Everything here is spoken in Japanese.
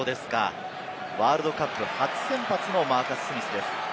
ワールドカップ初先発のマーカス・スミスです。